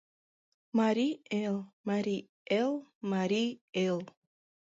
Марий Эл, Марий Эл, Марий Эл!